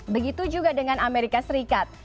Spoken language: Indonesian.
begitu juga dengan amerika serikat